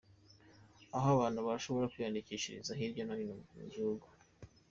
Aho abantu bashobora kwiyandikishiriza hirya no hino mu gihugu.